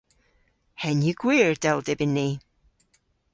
Henn yw gwir dell dybyn ni.